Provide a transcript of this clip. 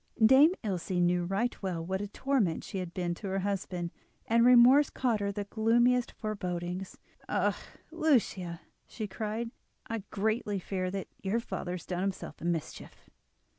Dame Ilse knew right well what a torment she had been to her husband, and remorse caused her the gloomiest forebodings. "Ah! Lucia," she cried, "I greatly fear that your father has done himself a mischief."